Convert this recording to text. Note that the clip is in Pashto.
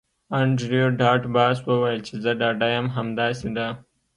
انډریو ډاټ باس وویل چې زه ډاډه یم همداسې ده